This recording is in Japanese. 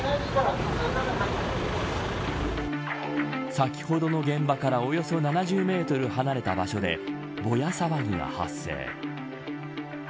先ほどの現場からおよそ７０メートル離れた場所でボヤ騒ぎが発生。